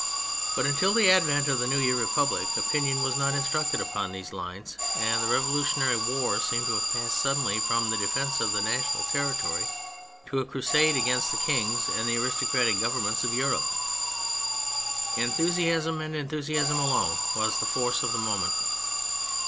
But until the advent of the new year public opinion was not instructed upon these lines, and the revolutionary war seemed to have passed suddenly from the defence of the national territory to a crusade against the kings and the aristocratic Governments of Europe. Enthusiasm, and enthusiasm alone, was the force of the moment.